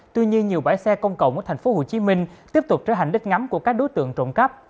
tuy nhiên nhiều bãi xe công cộng ở tp hcm tiếp tục trở hành đất ngắm của các đối tượng trộn cắp